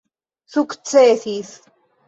sukcesis